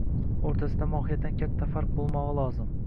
– o‘rtasida mohiyatan katta farq bo‘lmog‘i lozim.